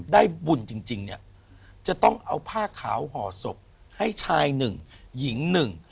ได้บุญจริงจริงเนี่ยจะต้องเอาผ้าขาวห่อศพให้ชายหนึ่งหญิงหนึ่ง